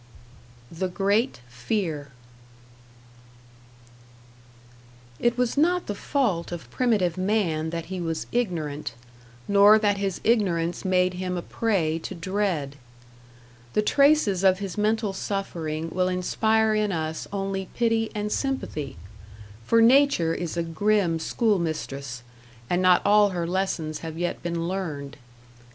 #The Great Fear# It was not the fault of primitive man that he was ignorant, nor that his ignorance made him a prey to dread. The traces of his mental suffering will inspire in us only pity and sympathy; for Nature is a grim school mistress, and not all her lessons have yet been learned.